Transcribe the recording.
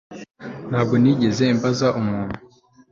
Ntabwo nigeze mbaza umuntu